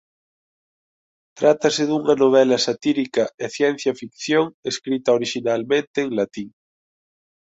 Trátase dunha novela satírica e ciencia ficción escrita orixinalmente en latín.